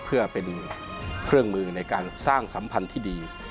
เพื่อเป็นเครื่องมือในการสร้างสัมพันธ์ที่ดี